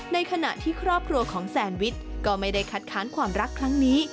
ในขณะที่ครอบครัวของแซนวิชก็ไม่ได้คัดค้านความรักครั้งนี้